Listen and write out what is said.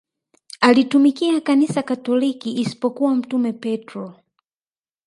alilitumikia kanisa katoliki isipokuwa mtume petro